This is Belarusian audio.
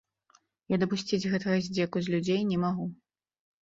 Я дапусціць гэтага здзеку з людзей не магу.